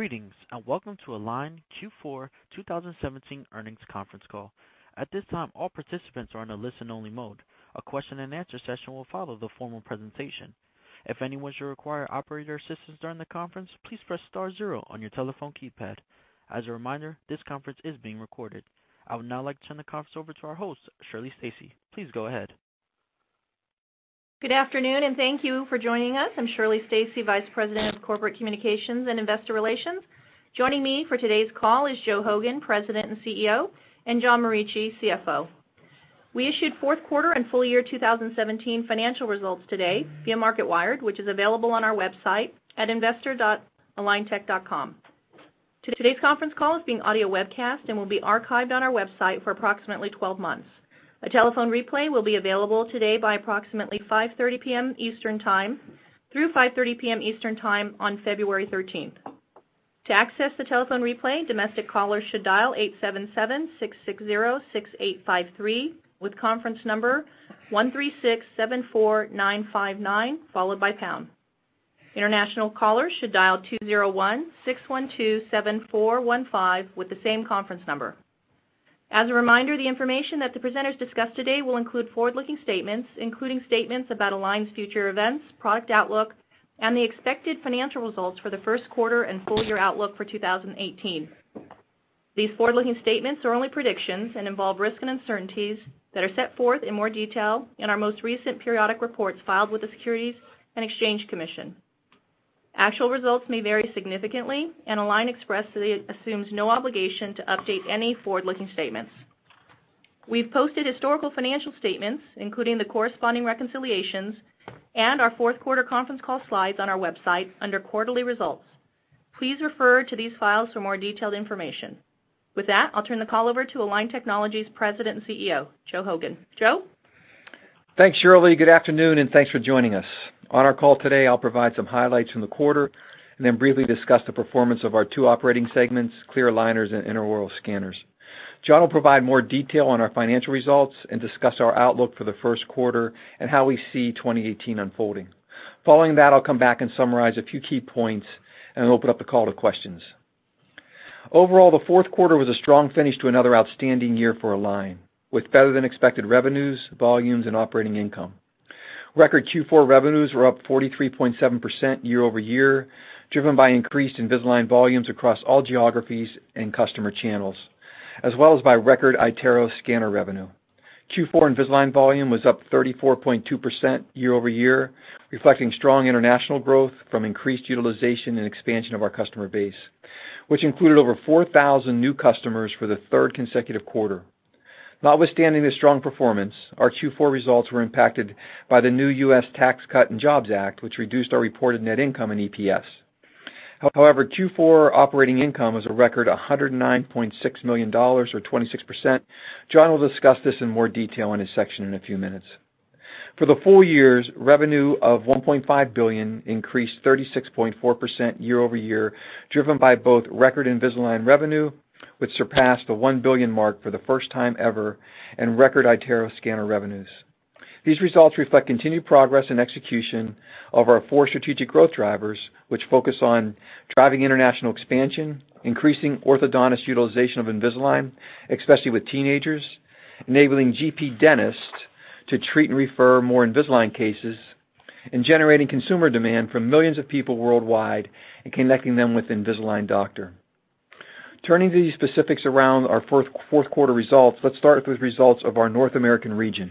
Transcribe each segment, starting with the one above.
Greetings, and welcome to Align Q4 2017 earnings conference call. At this time, all participants are in a listen-only mode. A question and answer session will follow the formal presentation. If anyone should require operator assistance during the conference, please press star zero on your telephone keypad. As a reminder, this conference is being recorded. I would now like to turn the conference over to our host, Shirley Stacy. Please go ahead. Good afternoon, thank you for joining us. I'm Shirley Stacy, Vice President of Corporate Communications and Investor Relations. Joining me for today's call is Joe Hogan, President and CEO, and John Morici, CFO. We issued fourth quarter and full year 2017 financial results today via Marketwired, which is available on our website at investor.aligntech.com. Today's conference call is being audio webcast and will be archived on our website for approximately 12 months. A telephone replay will be available today by approximately 5:30 P.M. Eastern Time through 5:30 P.M. Eastern Time on February 13th. To access the telephone replay, domestic callers should dial 877-660-6853 with conference number 13674959, followed by pound. International callers should dial 201-612-7415 with the same conference number. As a reminder, the information that the presenters discuss today will include forward-looking statements, including statements about Align's future events, product outlook, and the expected financial results for the first quarter and full-year outlook for 2018. These forward-looking statements are only predictions and involve risks and uncertainties that are set forth in more detail in our most recent periodic reports filed with the Securities and Exchange Commission. Actual results may vary significantly, and Align expressly assumes no obligation to update any forward-looking statements. We've posted historical financial statements, including the corresponding reconciliations, and our fourth quarter conference call slides on our website under quarterly results. Please refer to these files for more detailed information. With that, I'll turn the call over to Align Technology's President and CEO, Joe Hogan. Joe? Thanks, Shirley. Good afternoon, thanks for joining us. On our call today, I'll provide some highlights from the quarter and then briefly discuss the performance of our two operating segments, clear aligners and intraoral scanners. John will provide more detail on our financial results and discuss our outlook for the first quarter and how we see 2018 unfolding. Following that, I'll come back and summarize a few key points and open up the call to questions. Overall, the fourth quarter was a strong finish to another outstanding year for Align, with better-than-expected revenues, volumes, and operating income. Record Q4 revenues were up 43.7% year-over-year, driven by increased Invisalign volumes across all geographies and customer channels, as well as by record iTero scanner revenue. Q4 Invisalign volume was up 34.2% year-over-year, reflecting strong international growth from increased utilization and expansion of our customer base, which included over 4,000 new customers for the third consecutive quarter. Notwithstanding this strong performance, our Q4 results were impacted by the new U.S. Tax Cuts and Jobs Act, which reduced our reported net income and EPS. However, Q4 operating income was a record $109.6 million, or 26%. John will discuss this in more detail in his section in a few minutes. For the full year's revenue of $1.5 billion increased 36.4% year-over-year, driven by both record Invisalign revenue, which surpassed the $1 billion mark for the first time ever, and record iTero scanner revenues. These results reflect continued progress and execution of our four strategic growth drivers, which focus on driving international expansion, increasing orthodontist utilization of Invisalign, especially with teenagers, enabling GP dentists to treat and refer more Invisalign cases, and generating consumer demand from millions of people worldwide and connecting them with an Invisalign doctor. Turning to the specifics around our fourth quarter results, let's start with results of our North American region.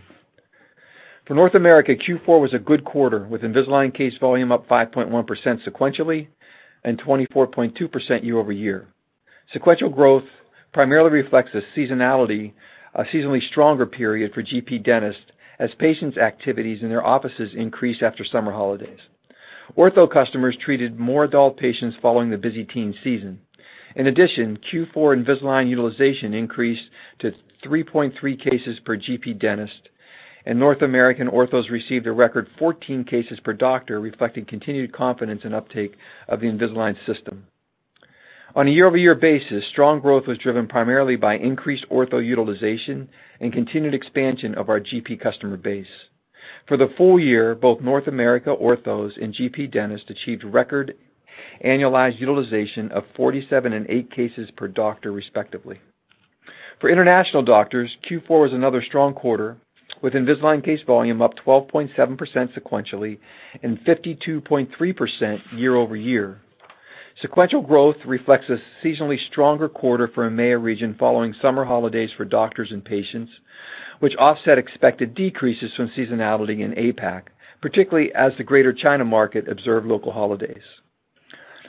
For North America, Q4 was a good quarter, with Invisalign case volume up 5.1% sequentially and 24.2% year-over-year. Sequential growth primarily reflects a seasonally stronger period for GP dentists as patients' activities in their offices increase after summer holidays. Ortho customers treated more adult patients following the busy teen season. In addition, Q4 Invisalign utilization increased to 3.3 cases per GP dentist, and North American orthos received a record 14 cases per doctor, reflecting continued confidence and uptake of the Invisalign system. On a year-over-year basis, strong growth was driven primarily by increased ortho utilization and continued expansion of our GP customer base. For the full year, both North America orthos and GP dentists achieved record annualized utilization of 47 and 8 cases per doctor, respectively. For international doctors, Q4 was another strong quarter, with Invisalign case volume up 12.7% sequentially and 52.3% year-over-year. Sequential growth reflects a seasonally stronger quarter for EMEA region following summer holidays for doctors and patients, which offset expected decreases from seasonality in APAC, particularly as the Greater China market observed local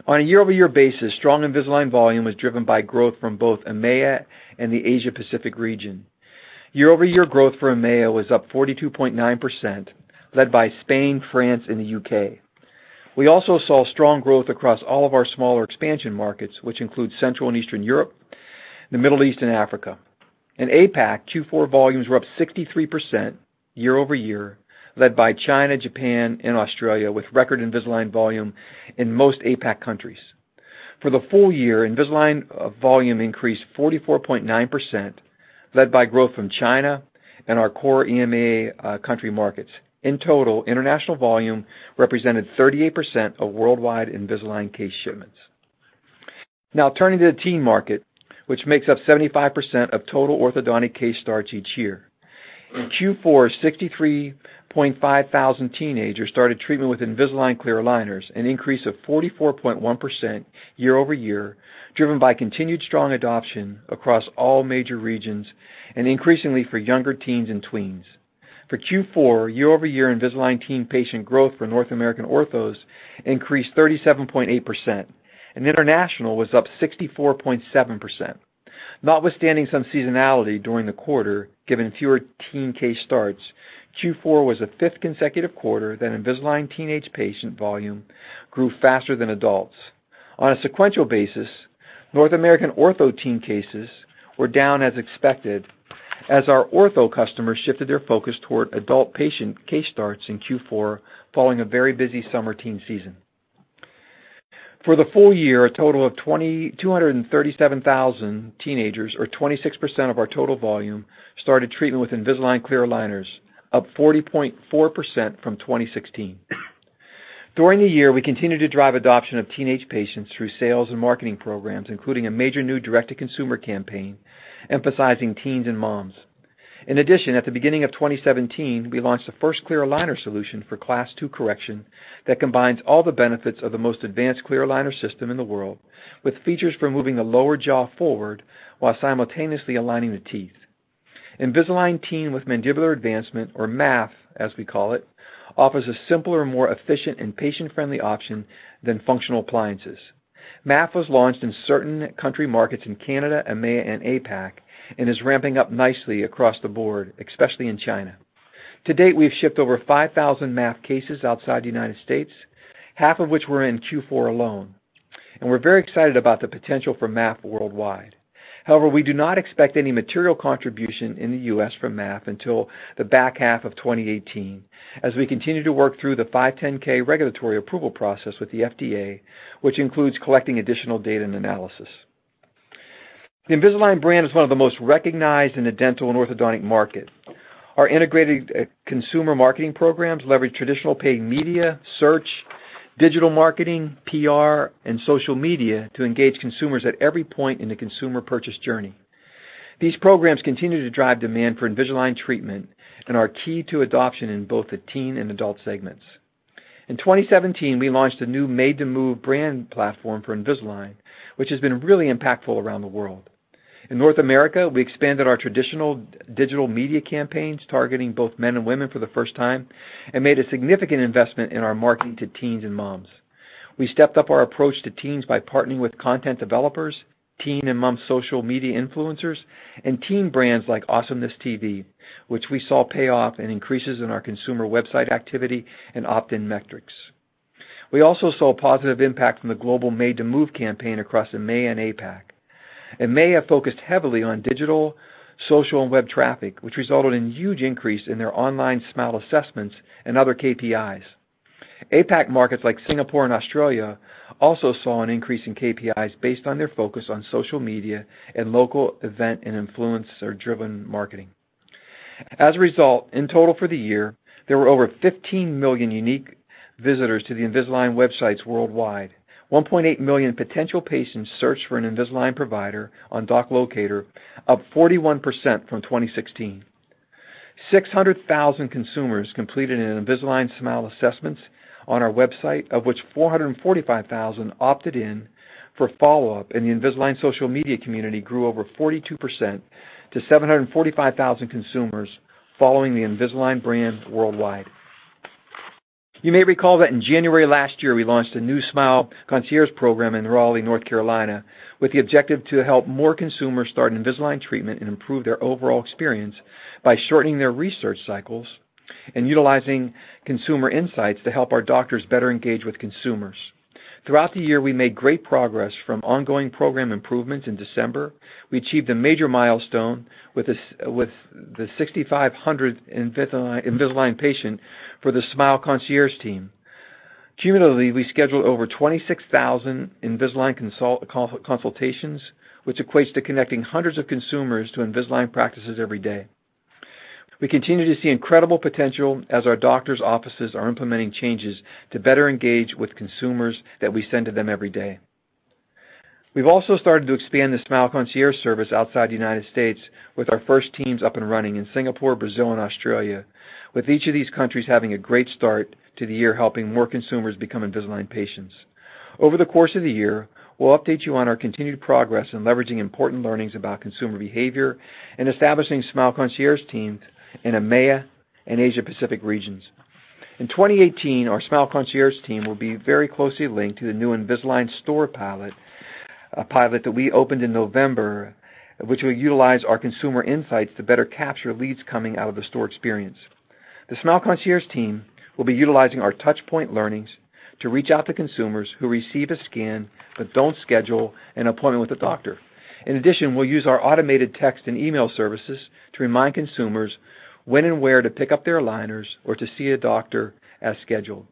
holidays. On a year-over-year basis, strong Invisalign volume was driven by growth from both EMEA and the Asia Pacific region. Year-over-year growth for EMEA was up 42.9%, led by Spain, France, and the U.K. We also saw strong growth across all of our smaller expansion markets, which include Central and Eastern Europe, the Middle East, and Africa. In APAC, Q4 volumes were up 63% year-over-year, led by China, Japan, and Australia, with record Invisalign volume in most APAC countries. For the full year, Invisalign volume increased 44.9%. Led by growth from China and our core EMEA country markets. In total, international volume represented 38% of worldwide Invisalign case shipments. Now turning to the teen market, which makes up 75% of total orthodontic case starts each year. In Q4, 63,500 teenagers started treatment with Invisalign clear aligners, an increase of 44.1% year-over-year, driven by continued strong adoption across all major regions and increasingly for younger teens and tweens. For Q4, year-over-year Invisalign teen patient growth for North American orthos increased 37.8%. International was up 64.7%. Notwithstanding some seasonality during the quarter, given fewer teen case starts, Q4 was the fifth consecutive quarter that Invisalign teenage patient volume grew faster than adults. On a sequential basis, North American ortho teen cases were down as expected as our ortho customers shifted their focus toward adult patient case starts in Q4 following a very busy summer teen season. For the full year, a total of 237,000 teenagers, or 26% of our total volume, started treatment with Invisalign clear aligners, up 40.4% from 2016. During the year, we continued to drive adoption of teenage patients through sales and marketing programs, including a major new direct-to-consumer campaign emphasizing teens and moms. At the beginning of 2017, we launched the first clear aligner solution for Class 2 correction that combines all the benefits of the most advanced clear aligner system in the world with features for moving the lower jaw forward while simultaneously aligning the teeth. Invisalign Teen with Mandibular Advancement, or MAF as we call it, offers a simpler, more efficient, and patient-friendly option than functional appliances. MAF was launched in certain country markets in Canada, EMEA, and APAC, and is ramping up nicely across the board, especially in China. To date, we have shipped over 5,000 MAF cases outside the U.S., half of which were in Q4 alone. We are very excited about the potential for MAF worldwide. We do not expect any material contribution in the U.S. from MAF until the back half of 2018 as we continue to work through the 510(k) regulatory approval process with the FDA, which includes collecting additional data and analysis. The Invisalign brand is one of the most recognized in the dental and orthodontic market. Our integrated consumer marketing programs leverage traditional paid media, search, digital marketing, PR, and social media to engage consumers at every point in the consumer purchase journey. These programs continue to drive demand for Invisalign treatment and are key to adoption in both the teen and adult segments. In 2017, we launched a new Made to Move brand platform for Invisalign, which has been really impactful around the world. In North America, we expanded our traditional digital media campaigns targeting both men and women for the first time and made a significant investment in our marketing to teens and moms. We stepped up our approach to teens by partnering with content developers, teen and mom social media influencers, and teen brands like AwesomenessTV, which we saw pay off in increases in our consumer website activity and opt-in metrics. We also saw a positive impact from the global Made to Move campaign across EMEA and APAC. EMEA have focused heavily on digital, social, and web traffic, which resulted in huge increase in their online smile assessments and other KPIs. APAC markets like Singapore and Australia also saw an increase in KPIs based on their focus on social media and local event and influencer-driven marketing. As a result, in total for the year, there were over 15 million unique visitors to the Invisalign websites worldwide. 1.8 million potential patients searched for an Invisalign provider on Doc Locator, up 41% from 2016. 600,000 consumers completed an Invisalign smile assessments on our website, of which 445,000 opted in for follow-up, and the Invisalign social media community grew over 42% to 745,000 consumers following the Invisalign brand worldwide. You may recall that in January last year, we launched a new Smile Concierge program in Raleigh, North Carolina, with the objective to help more consumers start Invisalign treatment and improve their overall experience by shortening their research cycles and utilizing consumer insights to help our doctors better engage with consumers. Throughout the year, we made great progress from ongoing program improvements in December. We achieved a major milestone with the 6,500th Invisalign patient for the Smile Concierge team. Cumulatively, we scheduled over 26,000 Invisalign consultations, which equates to connecting hundreds of consumers to Invisalign practices every day. We continue to see incredible potential as our doctors' offices are implementing changes to better engage with consumers that we send to them every day. We've also started to expand the Smile Concierge service outside the U.S. with our first teams up and running in Singapore, Brazil, and Australia, with each of these countries having a great start to the year, helping more consumers become Invisalign patients. Over the course of the year, we'll update you on our continued progress in leveraging important learnings about consumer behavior and establishing Smile Concierge teams in EMEA and Asia Pacific regions. In 2018, our Smile Concierge team will be very closely linked to the new Invisalign store pilot that we opened in November, which will utilize our consumer insights to better capture leads coming out of the store experience. The Smile Concierge team will be utilizing our touchpoint learnings to reach out to consumers who receive a scan but don't schedule an appointment with a doctor. In addition, we'll use our automated text and email services to remind consumers when and where to pick up their aligners or to see a doctor as scheduled.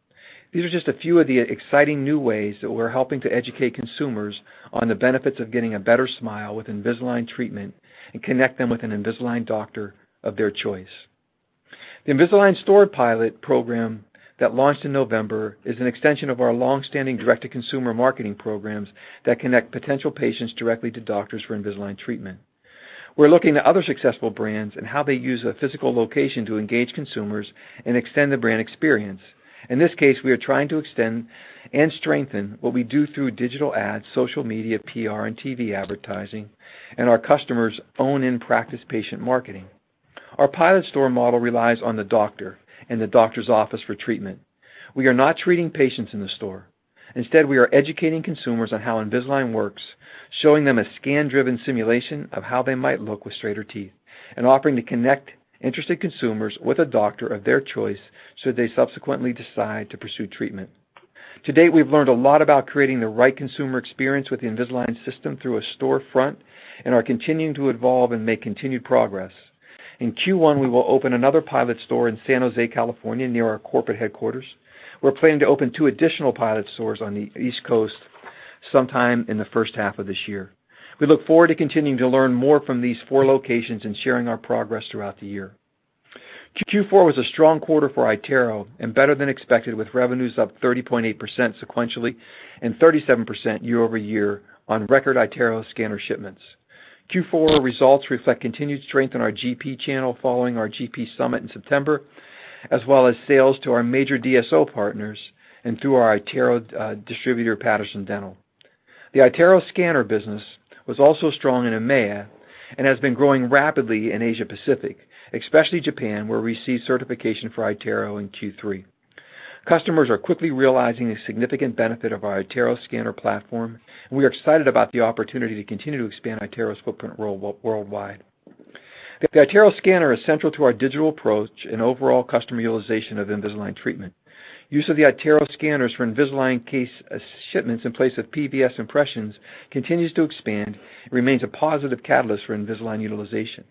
These are just a few of the exciting new ways that we're helping to educate consumers on the benefits of getting a better smile with Invisalign treatment and connect them with an Invisalign doctor of their choice. The Invisalign store pilot program that launched in November is an extension of our longstanding direct-to-consumer marketing programs that connect potential patients directly to doctors for Invisalign treatment. We're looking to other successful brands and how they use a physical location to engage consumers and extend the brand experience. In this case, we are trying to extend and strengthen what we do through digital ads, social media, PR and TV advertising, and our customers' own in-practice patient marketing. Our pilot store model relies on the doctor and the doctor's office for treatment. We are not treating patients in the store. Instead, we are educating consumers on how Invisalign works, showing them a scan-driven simulation of how they might look with straighter teeth, and offering to connect interested consumers with a doctor of their choice should they subsequently decide to pursue treatment. To date, we've learned a lot about creating the right consumer experience with the Invisalign system through a storefront, and are continuing to evolve and make continued progress. In Q1, we will open another pilot store in San Jose, California, near our corporate headquarters. We're planning to open two additional pilot stores on the East Coast sometime in the first half of this year. We look forward to continuing to learn more from these four locations and sharing our progress throughout the year. Q4 was a strong quarter for iTero and better than expected, with revenues up 30.8% sequentially and 37% year-over-year on record iTero scanner shipments. Q4 results reflect continued strength in our GP channel following our GP summit in September, as well as sales to our major DSO partners and through our iTero distributor, Patterson Dental. The iTero scanner business was also strong in EMEA and has been growing rapidly in Asia Pacific, especially Japan, where we received certification for iTero in Q3. Customers are quickly realizing the significant benefit of our iTero scanner platform. We are excited about the opportunity to continue to expand iTero's footprint worldwide. The iTero scanner is central to our digital approach and overall customer utilization of Invisalign treatment. Use of the iTero scanners for Invisalign case shipments in place of PVS impressions continues to expand and remains a positive catalyst for Invisalign utilization.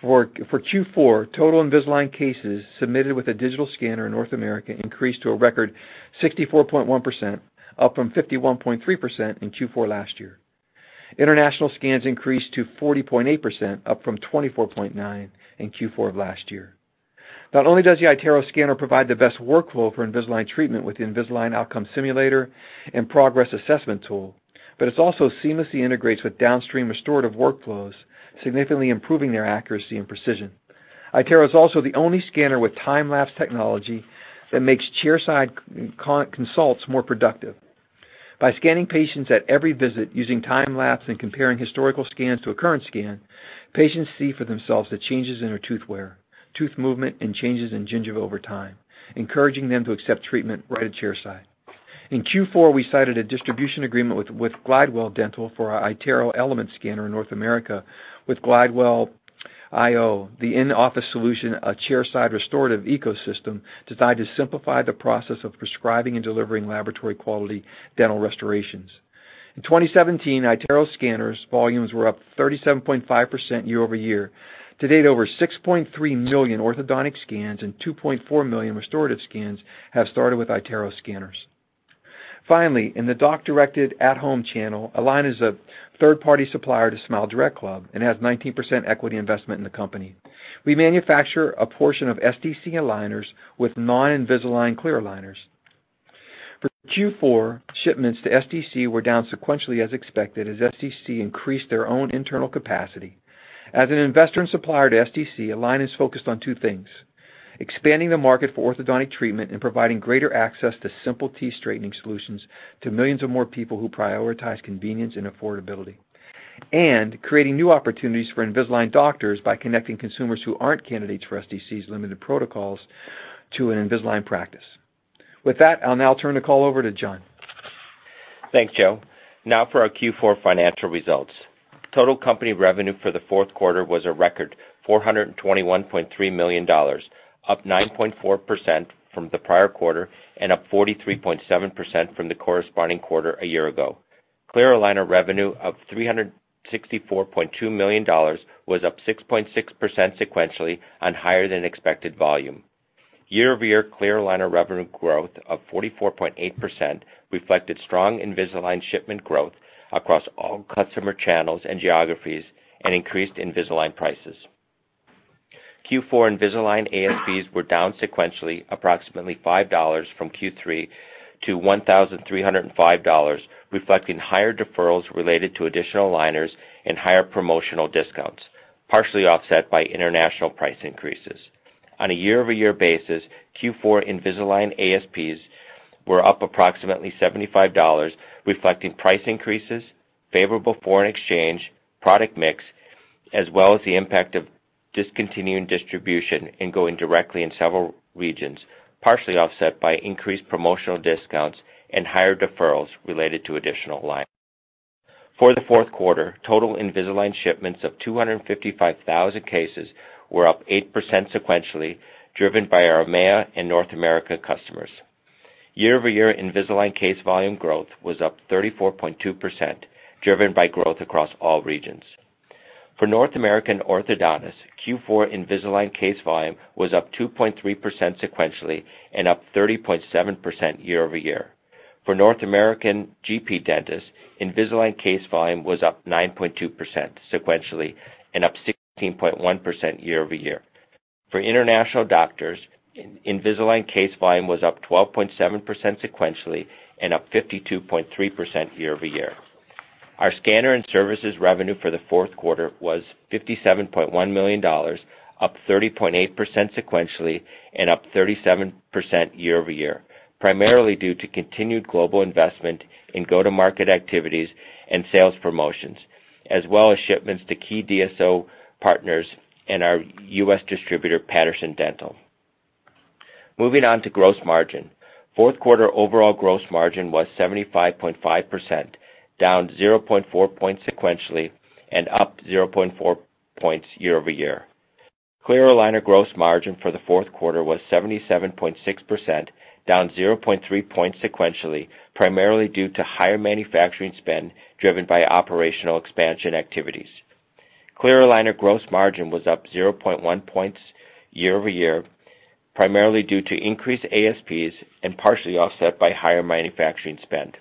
For Q4, total Invisalign cases submitted with a digital scanner in North America increased to a record 64.1%, up from 51.3% in Q4 last year. International scans increased to 40.8%, up from 24.9% in Q4 of last year. Not only does the iTero scanner provide the best workflow for Invisalign treatment with the Invisalign Outcome Simulator and Progress Assessment tool, but it's also seamlessly integrates with downstream restorative workflows, significantly improving their accuracy and precision. iTero is also the only scanner with time-lapse technology that makes chairside consults more productive. By scanning patients at every visit using time-lapse and comparing historical scans to a current scan, patients see for themselves the changes in their tooth wear, tooth movement, and changes in gingiva over time, encouraging them to accept treatment right at chairside. In Q4, we signed a distribution agreement with Glidewell Dental for our iTero Element scanner in North America with glidewell.io, the in-office solution, a chairside restorative ecosystem designed to simplify the process of prescribing and delivering laboratory-quality dental restorations. In 2017, iTero scanners volumes were up 37.5% year-over-year. To date, over 6.3 million orthodontic scans and 2.4 million restorative scans have started with iTero scanners. Finally, in the doc-directed at-home channel, Align is a third-party supplier to SmileDirectClub and has 19% equity investment in the company. We manufacture a portion of SDC aligners with non-Invisalign clear aligners. For Q4, shipments to SDC were down sequentially as expected, as SDC increased their own internal capacity. As an investor and supplier to SDC, Align is focused on two things: expanding the market for orthodontic treatment and providing greater access to simple teeth straightening solutions to millions of more people who prioritize convenience and affordability, and creating new opportunities for Invisalign doctors by connecting consumers who aren't candidates for SDC's limited protocols to an Invisalign practice. With that, I'll now turn the call over to John. Thanks, Joe. Now for our Q4 financial results. Total company revenue for the fourth quarter was a record $421.3 million, up 9.4% from the prior quarter and up 43.7% from the corresponding quarter a year ago. Clear aligner revenue of $364.2 million was up 6.6% sequentially on higher-than-expected volume. Year-over-year clear aligner revenue growth of 44.8% reflected strong Invisalign shipment growth across all customer channels and geographies and increased Invisalign prices. Q4 Invisalign ASPs were down sequentially approximately $5 from Q3 to $1,305, reflecting higher deferrals related to additional aligners and higher promotional discounts, partially offset by international price increases. On a year-over-year basis, Q4 Invisalign ASPs were up approximately $75, reflecting price increases, favorable foreign exchange, product mix, as well as the impact of discontinuing distribution and going directly in several regions, partially offset by increased promotional discounts and higher deferrals related to additional aligners. For the fourth quarter, total Invisalign shipments of 255,000 cases were up 8% sequentially, driven by our EMEA and North America customers. Year-over-year Invisalign case volume growth was up 34.2%, driven by growth across all regions. For North American orthodontists, Q4 Invisalign case volume was up 2.3% sequentially and up 30.7% year-over-year. For North American GP dentists, Invisalign case volume was up 9.2% sequentially and up 16.1% year-over-year. For international doctors, Invisalign case volume was up 12.7% sequentially and up 52.3% year-over-year. Our scanner and services revenue for the fourth quarter was $57.1 million, up 30.8% sequentially and up 37% year-over-year, primarily due to continued global investment in go-to-market activities and sales promotions, as well as shipments to key DSO partners and our U.S. distributor, Patterson Dental. Moving on to gross margin. Fourth quarter overall gross margin was 75.5%, down 0.4 points sequentially and up 0.4 points year-over-year. Clear aligner gross margin for the fourth quarter was 77.6%, down 0.3 points sequentially, primarily due to higher manufacturing spend driven by operational expansion activities. Clear aligner gross margin was up 0.1 points year-over-year, primarily due to increased ASPs and partially offset by higher manufacturing spend.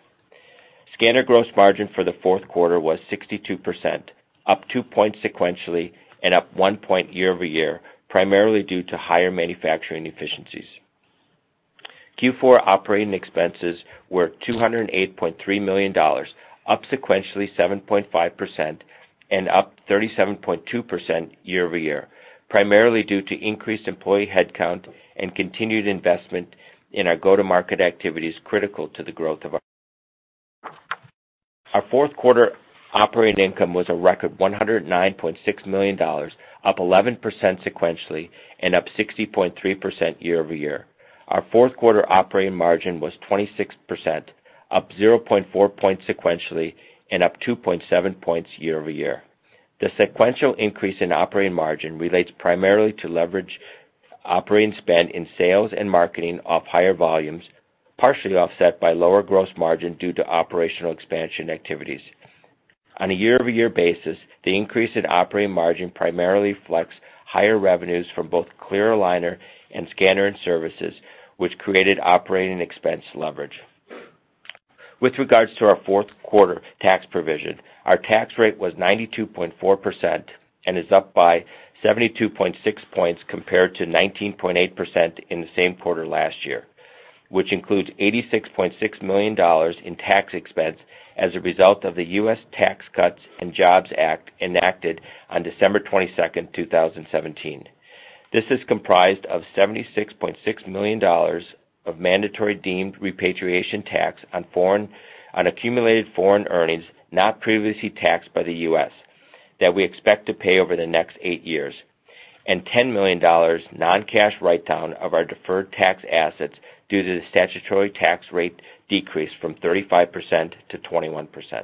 Scanner gross margin for the fourth quarter was 62%, up 2 points sequentially and up 1 point year-over-year, primarily due to higher manufacturing efficiencies. Q4 operating expenses were $208.3 million, up sequentially 7.5% and up 37.2% year-over-year, primarily due to increased employee headcount and continued investment in our go-to-market activities critical to the growth of our company. Our fourth quarter operating income was a record $109.6 million, up 11% sequentially and up 60.3% year-over-year. Our fourth quarter operating margin was 26%, up 0.4 points sequentially and up 2.7 points year-over-year. The sequential increase in operating margin relates primarily to leverage operating spend in sales and marketing off higher volumes, partially offset by lower gross margin due to operational expansion activities. On a year-over-year basis, the increase in operating margin primarily reflects higher revenues from both clear aligner and scanner and services, which created operating expense leverage. With regards to our fourth quarter tax provision, our tax rate was 92.4% and is up by 72.6 points compared to 19.8% in the same quarter last year, which includes $86.6 million in tax expense as a result of the U.S. Tax Cuts and Jobs Act enacted on December 22nd, 2017. This is comprised of $76.6 million of mandatory deemed repatriation tax on accumulated foreign earnings not previously taxed by the U.S. that we expect to pay over the next eight years, and $10 million non-cash write-down of our deferred tax assets due to the statutory tax rate decrease from 35% to 21%.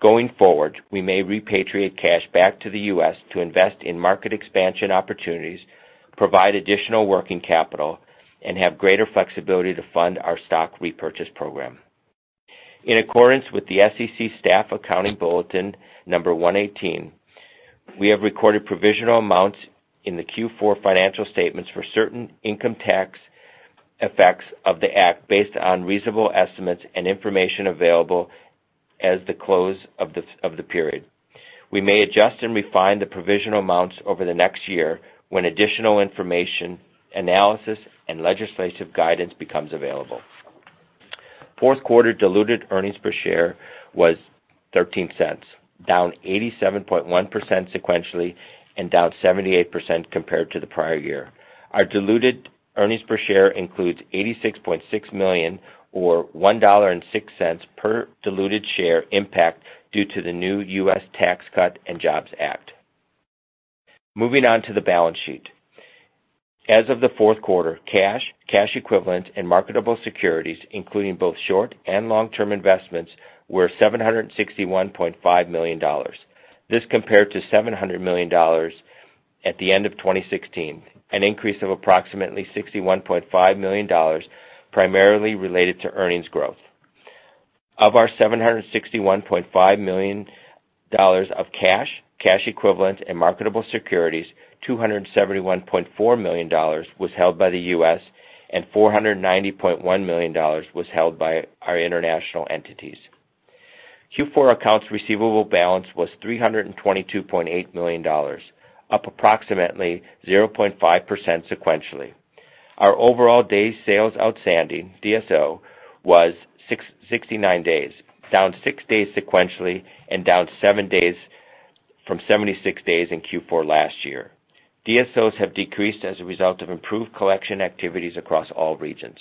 Going forward, we may repatriate cash back to the U.S. to invest in market expansion opportunities, provide additional working capital, and have greater flexibility to fund our stock repurchase program. In accordance with the SEC Staff Accounting Bulletin No. 118, we have recorded provisional amounts in the Q4 financial statements for certain income tax effects of the Act based on reasonable estimates and information available as the close of the period. We may adjust and refine the provisional amounts over the next year when additional information, analysis, and legislative guidance becomes available. Fourth quarter diluted earnings per share was $0.13, down 87.1% sequentially and down 78% compared to the prior year. Our diluted earnings per share includes $86.6 million, or $1.06 per diluted share impact due to the new U.S. Tax Cuts and Jobs Act. Moving on to the balance sheet. As of the fourth quarter, cash equivalents, and marketable securities, including both short and long-term investments, were $761.5 million. This compared to $700 million at the end of 2016, an increase of approximately $61.5 million primarily related to earnings growth. Of our $761.5 million of cash equivalents, and marketable securities, $271.4 million was held by the U.S., and $490.1 million was held by our international entities. Q4 accounts receivable balance was $322.8 million, up approximately 0.5% sequentially. Our overall days sales outstanding, DSO, was 69 days, down six days sequentially and down seven days from 76 days in Q4 last year. DSOs have decreased as a result of improved collection activities across all regions.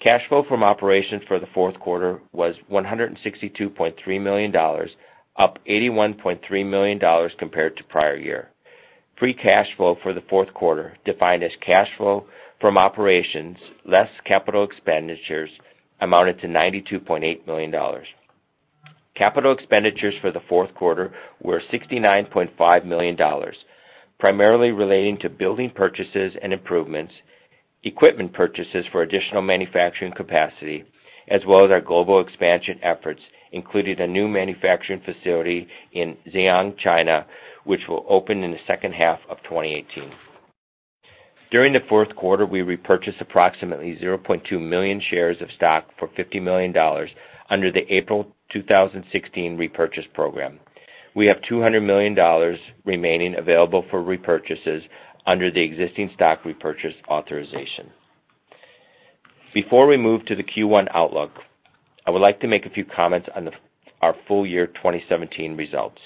Cash flow from operations for the fourth quarter was $162.3 million, up $81.3 million compared to prior year. Free cash flow for the fourth quarter, defined as cash flow from operations less capital expenditures, amounted to $92.8 million. Capital expenditures for the fourth quarter were $69.5 million, primarily relating to building purchases and improvements, equipment purchases for additional manufacturing capacity, as well as our global expansion efforts, including a new manufacturing facility in Zhengzhou, China, which will open in the second half of 2018. During the fourth quarter, we repurchased approximately 0.2 million shares of stock for $50 million under the April 2016 repurchase program. We have $200 million remaining available for repurchases under the existing stock repurchase authorization. Before we move to the Q1 outlook, I would like to make a few comments on our full year 2017 results.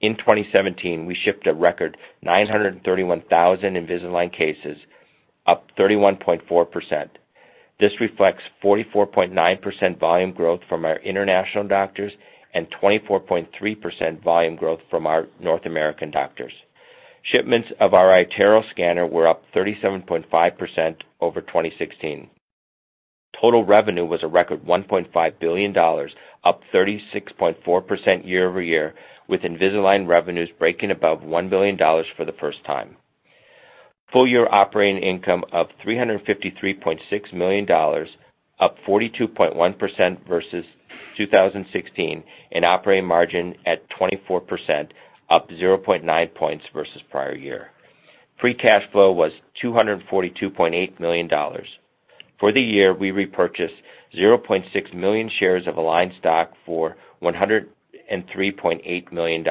In 2017, we shipped a record 931,000 Invisalign cases, up 31.4%. This reflects 44.9% volume growth from our international doctors and 24.3% volume growth from our North American doctors. Shipments of our iTero scanner were up 37.5% over 2016. Total revenue was a record $1.5 billion, up 36.4% year-over-year, with Invisalign revenues breaking above $1 billion for the first time. Full-year operating income of $353.6 million, up 42.1% versus 2016, and operating margin at 24%, up 0.9 points versus prior year. Free cash flow was $242.8 million. For the year, we repurchased 0.6 million shares of Align stock for $103.8 million.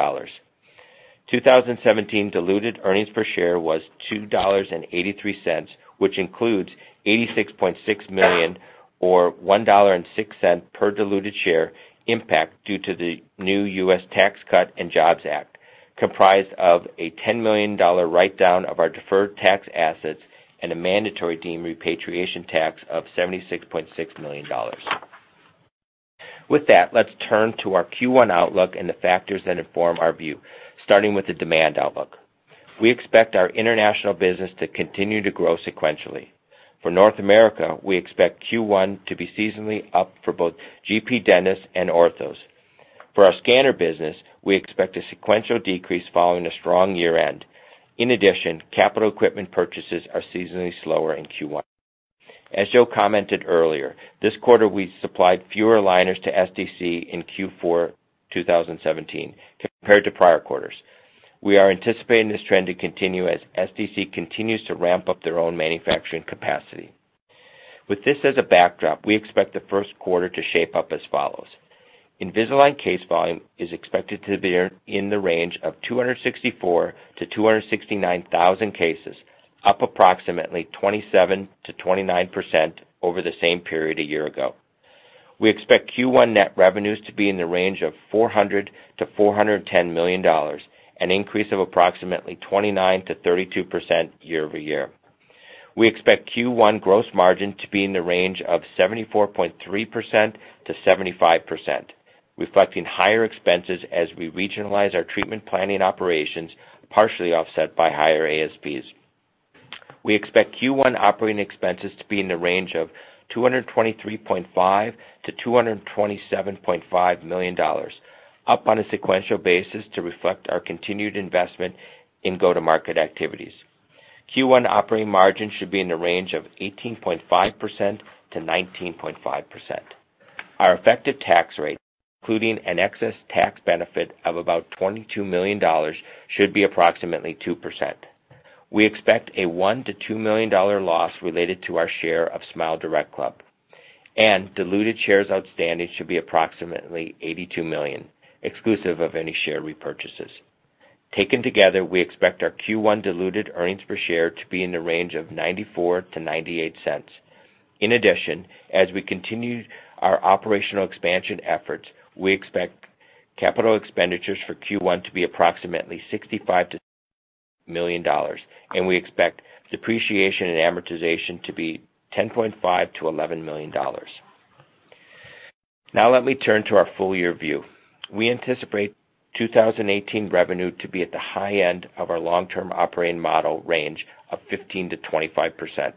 2017 diluted earnings per share was $2.83, which includes $86.6 million, or $1.06 per diluted share impact due to the new Tax Cuts and Jobs Act, comprised of a $10 million write-down of our deferred tax assets and a mandatory deemed repatriation tax of $76.6 million. With that, let's turn to our Q1 outlook and the factors that inform our view, starting with the demand outlook. We expect our international business to continue to grow sequentially. For North America, we expect Q1 to be seasonally up for both GP dentists and orthos. For our scanner business, we expect a sequential decrease following a strong year-end. In addition, capital equipment purchases are seasonally slower in Q1. As Joe commented earlier, this quarter, we supplied fewer aligners to SDC in Q4 2017 compared to prior quarters. We are anticipating this trend to continue as SDC continues to ramp up their own manufacturing capacity. With this as a backdrop, we expect the first quarter to shape up as follows. Invisalign case volume is expected to be in the range of 264,000-269,000 cases, up approximately 27%-29% over the same period a year-over-year. We expect Q1 net revenues to be in the range of $400 million-$410 million, an increase of approximately 29%-32% year-over-year. We expect Q1 gross margin to be in the range of 74.3%-75%, reflecting higher expenses as we regionalize our treatment planning operations, partially offset by higher ASPs. We expect Q1 operating expenses to be in the range of $223.5 million-$227.5 million, up on a sequential basis to reflect our continued investment in go-to-market activities. Q1 operating margin should be in the range of 18.5%-19.5%. Our effective tax rate, including an excess tax benefit of about $22 million, should be approximately 2%. We expect a $1 million-$2 million loss related to our share of SmileDirectClub, and diluted shares outstanding should be approximately 82 million, exclusive of any share repurchases. Taken together, we expect our Q1 diluted earnings per share to be in the range of $0.94-$0.98. In addition, as we continue our operational expansion efforts, we expect capital expenditures for Q1 to be approximately $65 million-$75 million, and we expect depreciation and amortization to be $10.5 million-$11 million. Now let me turn to our full-year view. We anticipate 2018 revenue to be at the high end of our long-term operating model range of 15%-25%.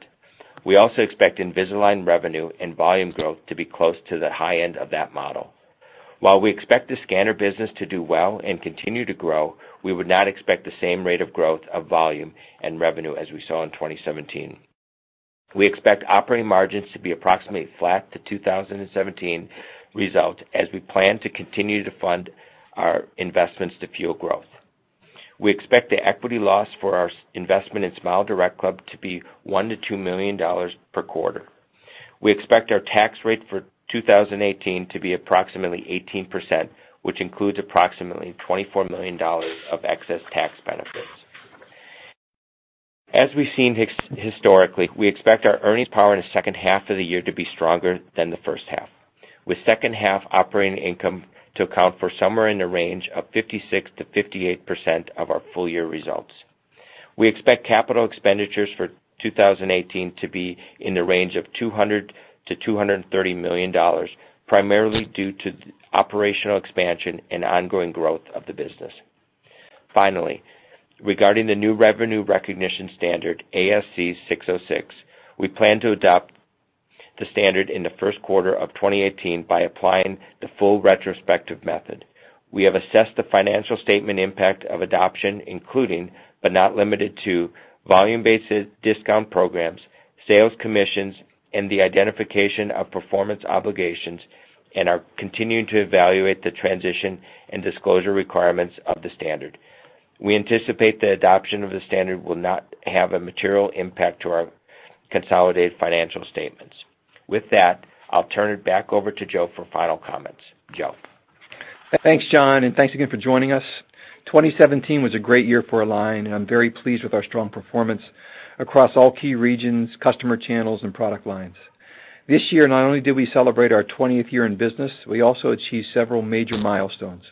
We also expect Invisalign revenue and volume growth to be close to the high end of that model. While we expect the scanner business to do well and continue to grow, we would not expect the same rate of growth of volume and revenue as we saw in 2017. We expect operating margins to be approximately flat to 2017 result as we plan to continue to fund our investments to fuel growth. We expect the equity loss for our investment in SmileDirectClub to be $1 million-$2 million per quarter. We expect our tax rate for 2018 to be approximately 18%, which includes approximately $24 million of excess tax benefits. As we've seen historically, we expect our earnings power in the second half of the year to be stronger than the first half, with second half operating income to account for somewhere in the range of 56%-58% of our full-year results. We expect capital expenditures for 2018 to be in the range of $200 million-$230 million, primarily due to operational expansion and ongoing growth of the business. Finally, regarding the new revenue recognition standard, ASC 606, we plan to adopt the standard in the first quarter of 2018 by applying the full retrospective method. We have assessed the financial statement impact of adoption, including, but not limited to, volume-based discount programs, sales commissions, and the identification of performance obligations and are continuing to evaluate the transition and disclosure requirements of the standard. We anticipate the adoption of the standard will not have a material impact to our consolidated financial statements. With that, I'll turn it back over to Joe for final comments. Joe? Thanks, John. Thanks again for joining us. 2017 was a great year for Align, and I'm very pleased with our strong performance across all key regions, customer channels, and product lines. This year, not only did we celebrate our 20th year in business, we also achieved several major milestones.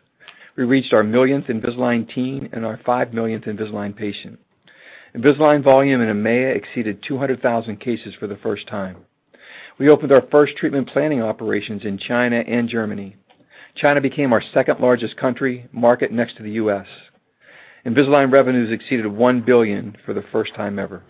We reached our millionth Invisalign Teen and our five millionth Invisalign patient. Invisalign volume in EMEA exceeded 200,000 cases for the first time. We opened our first treatment planning operations in China and Germany. China became our second-largest country market next to the U.S. Invisalign revenues exceeded $1 billion for the first time ever.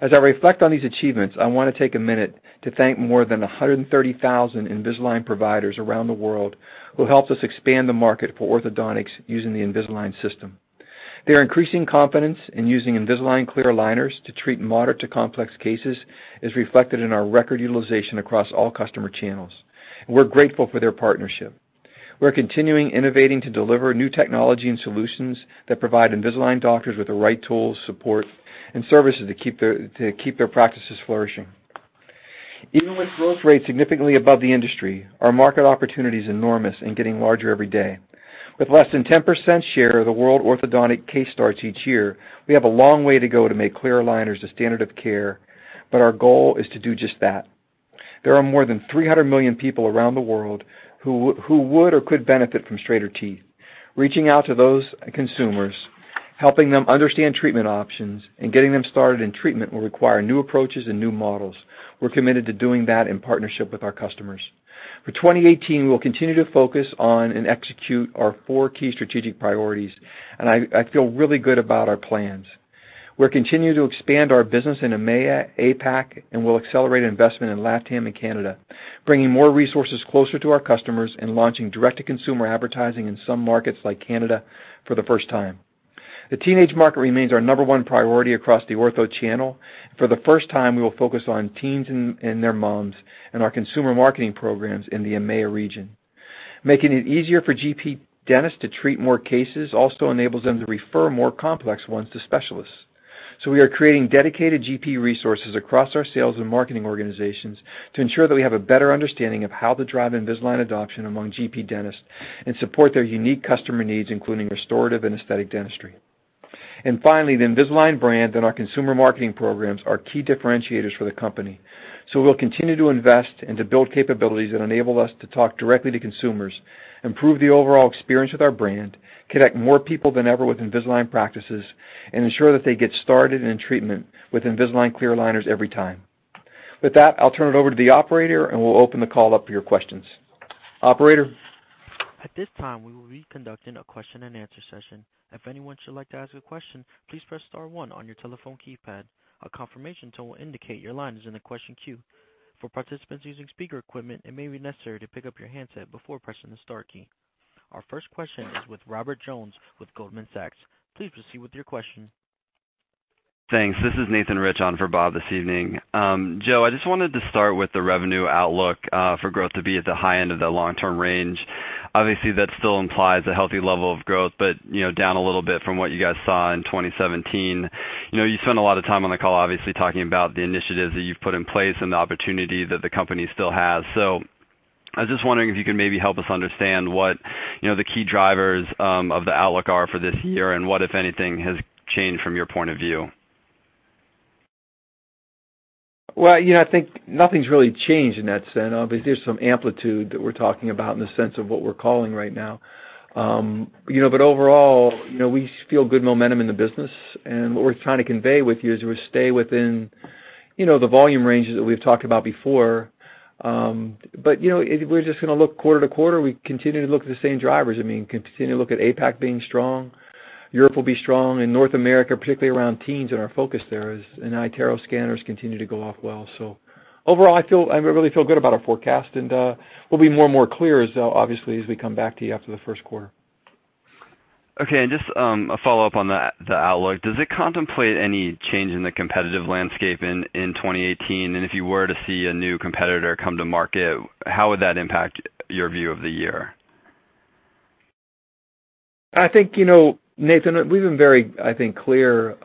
As I reflect on these achievements, I want to take a minute to thank more than 130,000 Invisalign providers around the world who helped us expand the market for orthodontics using the Invisalign system. Their increasing confidence in using Invisalign clear aligners to treat moderate to complex cases is reflected in our record utilization across all customer channels. We're grateful for their partnership. We're continuing innovating to deliver new technology and solutions that provide Invisalign doctors with the right tools, support, and services to keep their practices flourishing. Even with growth rates significantly above the industry, our market opportunity is enormous and getting larger every day. With less than 10% share of the world orthodontic case starts each year, we have a long way to go to make clear aligners a standard of care, but our goal is to do just that. There are more than 300 million people around the world who would or could benefit from straighter teeth. Reaching out to those consumers, helping them understand treatment options, and getting them started in treatment will require new approaches and new models. We're committed to doing that in partnership with our customers. For 2018, we'll continue to focus on and execute our four key strategic priorities. I feel really good about our plans. We're continuing to expand our business in EMEA, APAC, we'll accelerate investment in LATAM and Canada, bringing more resources closer to our customers and launching direct-to-consumer advertising in some markets like Canada for the first time. The teenage market remains our number one priority across the ortho channel. For the first time, we will focus on teens and their moms and our consumer marketing programs in the EMEA region. Making it easier for GP dentists to treat more cases also enables them to refer more complex ones to specialists. We are creating dedicated GP resources across our sales and marketing organizations to ensure that we have a better understanding of how to drive Invisalign adoption among GP dentists and support their unique customer needs, including restorative and aesthetic dentistry. Finally, the Invisalign brand and our consumer marketing programs are key differentiators for the company. We'll continue to invest and to build capabilities that enable us to talk directly to consumers, improve the overall experience with our brand, connect more people than ever with Invisalign practices, and ensure that they get started in treatment with Invisalign clear aligners every time. With that, I'll turn it over to the operator. We'll open the call up for your questions. Operator? At this time, we will be conducting a question and answer session. If anyone should like to ask a question, please press star one on your telephone keypad. A confirmation tone will indicate your line is in the question queue. For participants using speaker equipment, it may be necessary to pick up your handset before pressing the star key. Our first question is with Robert Jones with Goldman Sachs. Please proceed with your question. Thanks. This is Nathan Rich on for Bob this evening. Joe, I just wanted to start with the revenue outlook for growth to be at the high end of the long-term range. Obviously, that still implies a healthy level of growth, but down a little bit from what you guys saw in 2017. You spent a lot of time on the call, obviously, talking about the initiatives that you've put in place and the opportunity that the company still has. I was just wondering if you could maybe help us understand what the key drivers of the outlook are for this year and what, if anything, has changed from your point of view. Well, I think nothing's really changed in that sense. Obviously, there's some amplitude that we're talking about in the sense of what we're calling right now. Overall, we feel good momentum in the business, and what we're trying to convey with you is we stay within the volume ranges that we've talked about before. If we're just going to look quarter to quarter, we continue to look at the same drivers. I mean, continue to look at APAC being strong. Europe will be strong, and North America, particularly around teens and our focus there as iTero scanners continue to go off well. Overall, I really feel good about our forecast, and we'll be more and more clear, obviously, as we come back to you after the first quarter. Okay, just a follow-up on the outlook. Does it contemplate any change in the competitive landscape in 2018? If you were to see a new competitor come to market, how would that impact your view of the year? I think, Nathan, we've been very clear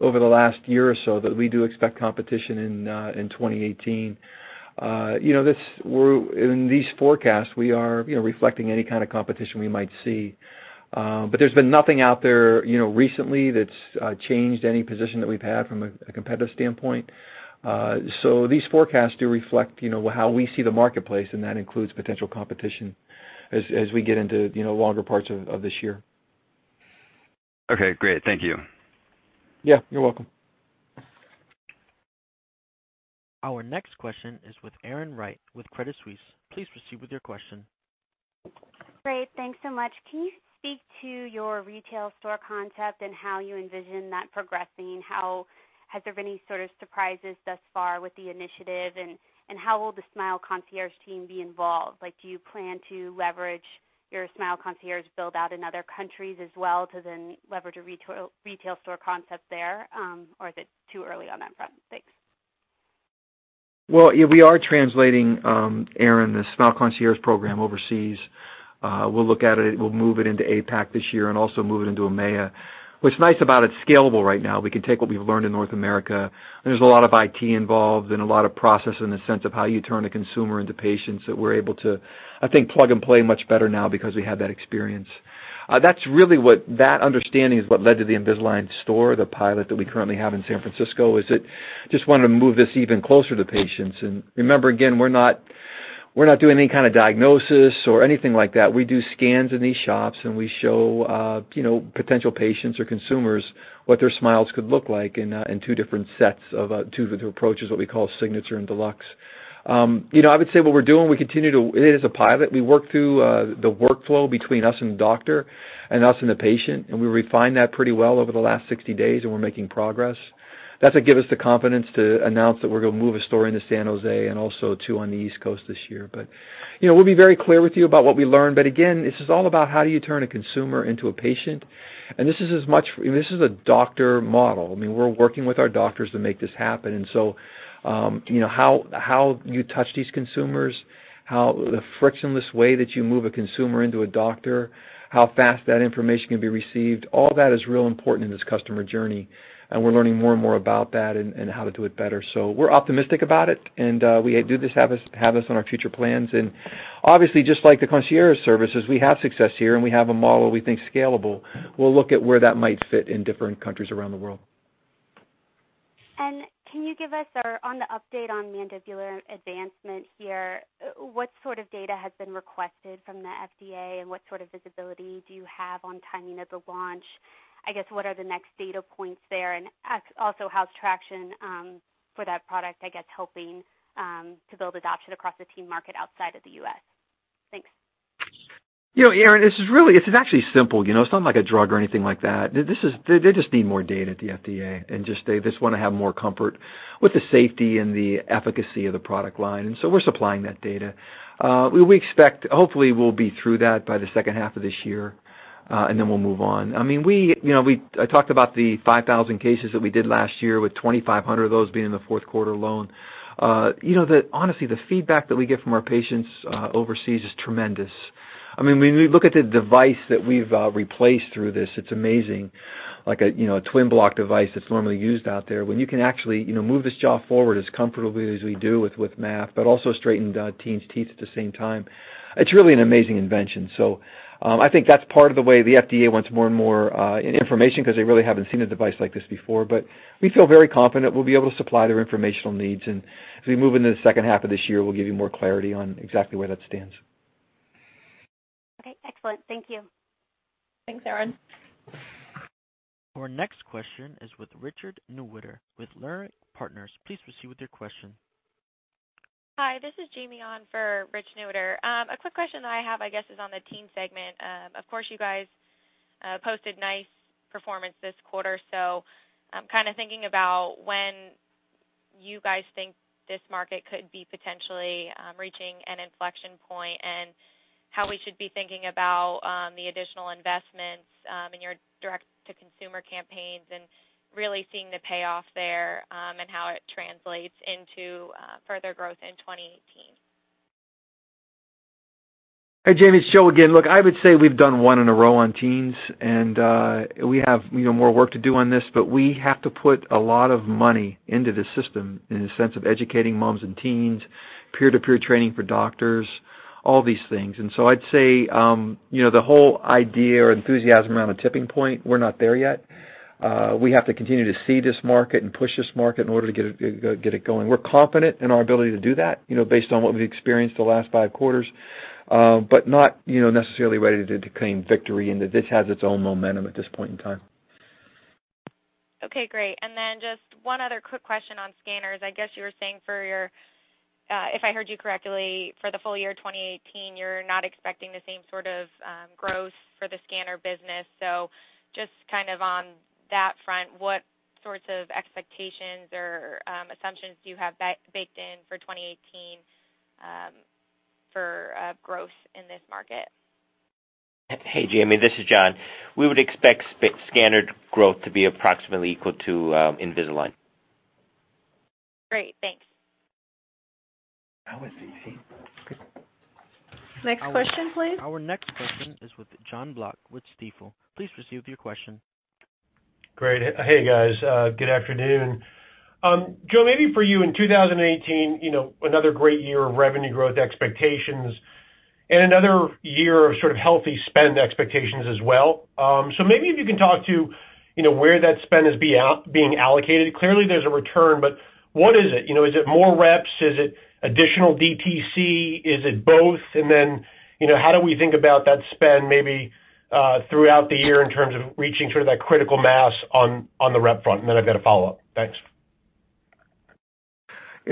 over the last year or so that we do expect competition in 2018. In these forecasts, we are reflecting any kind of competition we might see. There's been nothing out there recently that's changed any position that we've had from a competitive standpoint. These forecasts do reflect how we see the marketplace, and that includes potential competition as we get into longer parts of this year. Okay, great. Thank you. Yeah, you're welcome. Our next question is with Erin Wright with Credit Suisse. Please proceed with your question. Great. Thanks so much. Can you speak to your retail store concept and how you envision that progressing? Has there been any sort of surprises thus far with the initiative, and how will the Smile Concierge team be involved? Do you plan to leverage your Smile Concierge build out in other countries as well to then leverage a retail store concept there? Or is it too early on that front? Thanks. Well, we are translating, Erin, the Smile Concierge program overseas. We'll look at it, we'll move it into APAC this year and also move it into EMEA. What's nice about it's scalable right now. We can take what we've learned in North America, and there's a lot of IT involved and a lot of process in the sense of how you turn a consumer into patients that we're able to, I think, plug and play much better now because we have that experience. That understanding is what led to the Invisalign store, the pilot that we currently have in San Francisco, is that just wanted to move this even closer to patients. Remember, again, we're not doing any kind of diagnosis or anything like that. We do scans in these shops, and we show potential patients or consumers what their smiles could look like in two different approaches, what we call signature and deluxe. I would say what we're doing, it is a pilot. We work through the workflow between us and the doctor, and us and the patient, and we refined that pretty well over the last 60 days, and we're making progress. That's what give us the confidence to announce that we're going to move a store into San Jose and also two on the East Coast this year. We'll be very clear with you about what we learn, but again, this is all about how do you turn a consumer into a patient. This is a doctor model. We're working with our doctors to make this happen. How you touch these consumers, the frictionless way that you move a consumer into a doctor, how fast that information can be received, all that is real important in this customer journey, and we're learning more and more about that and how to do it better. We're optimistic about it, and we do have this on our future plans. Obviously, just like the concierge services, we have success here, and we have a model we think scalable. We'll look at where that might fit in different countries around the world. Can you give us, on the update on Mandibular Advancement here, what sort of data has been requested from the FDA, and what sort of visibility do you have on timing of the launch? I guess, what are the next data points there? Also, how's traction for that product, I guess, helping to build adoption across the teen market outside of the U.S.? Thanks. Erin, it's actually simple. It's not like a drug or anything like that. They just need more data at the FDA, and they just want to have more comfort with the safety and the efficacy of the product line. We're supplying that data. Hopefully, we'll be through that by the second half of this year. We'll move on. I talked about the 5,000 cases that we did last year, with 2,500 of those being in the fourth quarter alone. Honestly, the feedback that we get from our patients overseas is tremendous. When we look at the device that we've replaced through this, it's amazing, like a twin block device that's normally used out there. When you can actually move this jaw forward as comfortably as we do with MA, but also straighten teens' teeth at the same time, it's really an amazing invention. I think that's part of the way the FDA wants more and more information because they really haven't seen a device like this before, but we feel very confident we'll be able to supply their informational needs. As we move into the second half of this year, we'll give you more clarity on exactly where that stands. Okay, excellent. Thank you. Thanks, Erin. Our next question is with Richard Newitter with Leerink Partners. Please proceed with your question. Hi, this is Jamie on for Rich Newitter. A quick question that I have, I guess, is on the teen segment. Of course, you guys posted nice performance this quarter, I'm thinking about when you guys think this market could be potentially reaching an inflection point and how we should be thinking about the additional investments in your direct-to-consumer campaigns and really seeing the payoff there, how it translates into further growth in 2018. Hey, Jamie, it's Joe again. Look, I would say we've done one in a row on teens, we have more work to do on this, we have to put a lot of money into the system in the sense of educating moms and teens, peer-to-peer training for doctors, all these things. I'd say, the whole idea or enthusiasm around a tipping point, we're not there yet. We have to continue to seed this market and push this market in order to get it going. We're confident in our ability to do that based on what we've experienced the last five quarters, not necessarily ready to claim victory, that this has its own momentum at this point in time. Okay, great. Just one other quick question on scanners. I guess you were saying, if I heard you correctly, for the full year 2018, you're not expecting the same sort of growth for the scanner business. Just on that front, what sorts of expectations or assumptions do you have baked in for 2018 for growth in this market? Hey, Jamie, this is John. We would expect scanner growth to be approximately equal to Invisalign. Great. Thanks. That was easy. Next question, please. Our next question is with John Block with Stifel. Please proceed with your question. Great. Hey, guys. Good afternoon. Joe, maybe for you, in 2018, another great year of revenue growth expectations and another year of healthy spend expectations as well. Maybe if you can talk to where that spend is being allocated. Clearly, there's a return, but what is it? Is it more reps? Is it additional DTC? Is it both? How do we think about that spend maybe throughout the year in terms of reaching that critical mass on the rep front? I've got a follow-up. Thanks.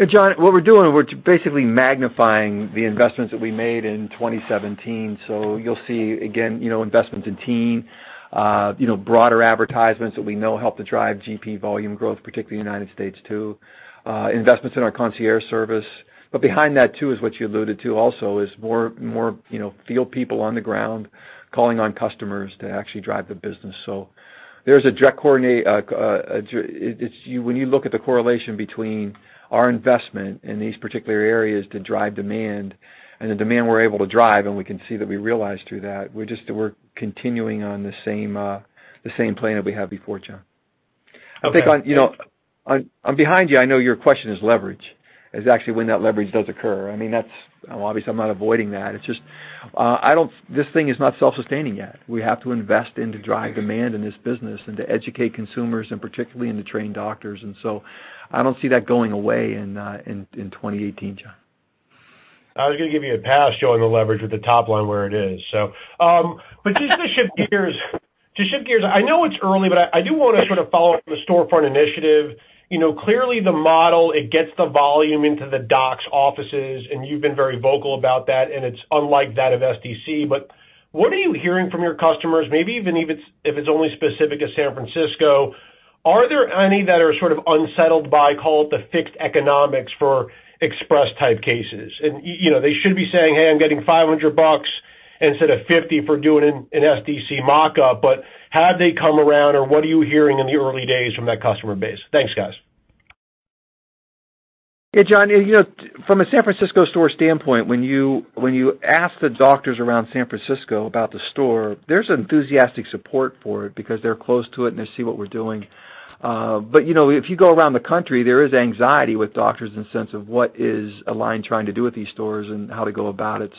John, what we're doing, we're basically magnifying the investments that we made in 2017. You'll see, again, investments in Teen, broader advertisements that we know help to drive GP volume growth, particularly United States, too. Investments in our Concierge service. Behind that, too, is what you alluded to also, is more field people on the ground calling on customers to actually drive the business. When you look at the correlation between our investment in these particular areas to drive demand and the demand we're able to drive, and we can see that we realize through that, we're continuing on the same plan that we had before, John. I think I'm behind you. I know your question is leverage, is actually when that leverage does occur. Obviously I'm not avoiding that. It's just, this thing is not self-sustaining yet. We have to invest in to drive demand in this business and to educate consumers, and particularly in to train doctors. I don't see that going away in 2018, John. I was going to give you a pass showing the leverage with the top line where it is. Just to shift gears, I know it's early, but I do want to sort of follow up on the storefront initiative. Clearly the model, it gets the volume into the docs' offices, and you've been very vocal about that, and it's unlike that of SDC. What are you hearing from your customers? Maybe even if it's only specific to San Francisco, are there any that are sort of unsettled by, call it, the fixed economics for express type cases? They should be saying, "Hey, I'm getting $500 instead of $50 for doing an SDC mock-up." Have they come around or what are you hearing in the early days from that customer base? Thanks, guys. Yeah, John, from a San Francisco store standpoint, when you ask the doctors around San Francisco about the store, there's enthusiastic support for it because they're close to it and they see what we're doing. If you go around the country, there is anxiety with doctors in the sense of what is Align trying to do with these stores and how to go about it.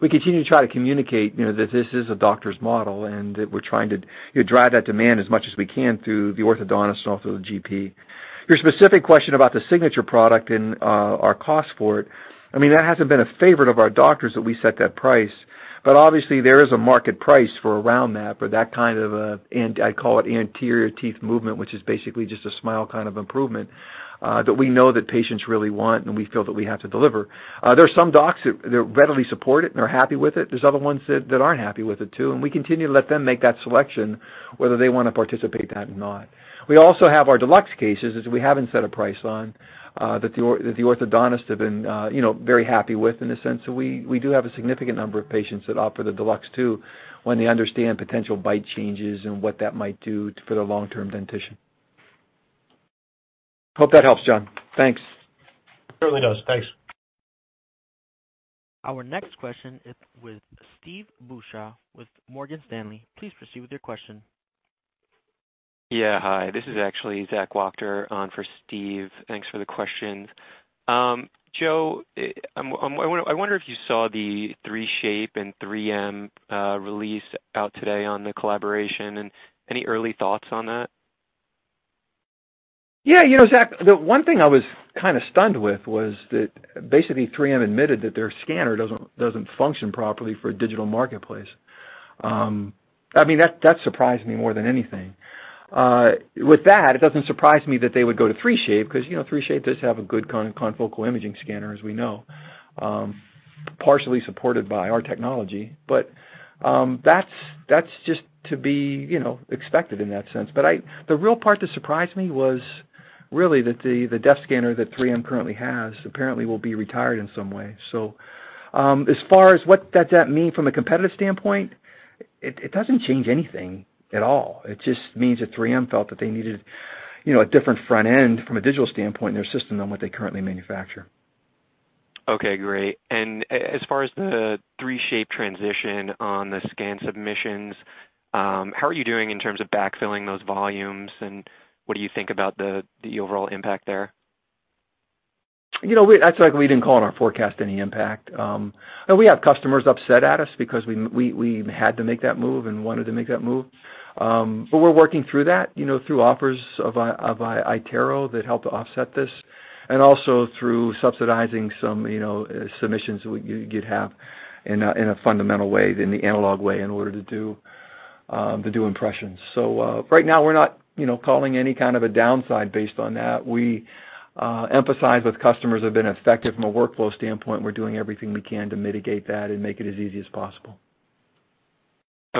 We continue to try to communicate that this is a doctor's model, and that we're trying to drive that demand as much as we can through the orthodontist and also the GP. Your specific question about the signature product and our cost for it, that hasn't been a favorite of our doctors that we set that price. Obviously there is a market price for around that for that kind of a, I call it anterior teeth movement, which is basically just a smile kind of improvement, that we know that patients really want, and we feel that we have to deliver. There's some docs that readily support it and are happy with it. There's other ones that aren't happy with it too, and we continue to let them make that selection whether they want to participate in that or not. We also have our deluxe cases, as we haven't set a price on, that the orthodontists have been very happy with in a sense. We do have a significant number of patients that opt for the deluxe too, when they understand potential bite changes and what that might do for their long-term dentition. Hope that helps, John. Thanks. It really does. Thanks. Our next question is with Steve Beuchaw with Morgan Stanley. Please proceed with your question. Yeah. Hi, this is actually Zach Wachter on for Steve. Thanks for the questions. Joe, I wonder if you saw the 3Shape and 3M release out today on the collaboration and any early thoughts on that? Yeah, Zach, the one thing I was kind of stunned with was that basically 3M admitted that their scanner doesn't function properly for a digital marketplace. That surprised me more than anything. With that, it doesn't surprise me that they would go to 3Shape because 3Shape does have a good confocal imaging scanner, as we know, partially supported by our technology. That's just to be expected in that sense. The real part that surprised me was really that the desk scanner that 3M currently has apparently will be retired in some way. As far as what does that mean from a competitive standpoint, it doesn't change anything at all. It just means that 3M felt that they needed a different front end from a digital standpoint in their system than what they currently manufacture. Okay, great. As far as the 3Shape transition on the scan submissions, how are you doing in terms of backfilling those volumes, and what do you think about the overall impact there? That's why we didn't call in our forecast any impact. We have customers upset at us because we had to make that move and wanted to make that move. We're working through that, through offers of iTero that help to offset this, and also through subsidizing some submissions that you'd have in a fundamental way, in the analog way, in order to do impressions. Right now we're not calling any kind of a downside based on that. We empathize with customers have been affected from a workflow standpoint. We're doing everything we can to mitigate that and make it as easy as possible.